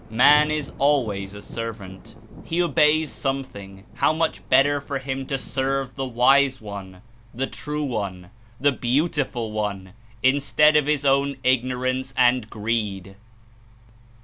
Man Is al ways a servant; he obeys something; how much bet ter for him to serve the Wise One, the True One, the Beautiful One, Instead of his own Ignorance and greed